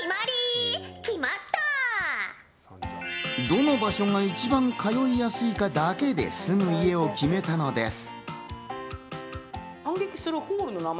どの場所が一番通いやすいかだけで住む家を決めたのです。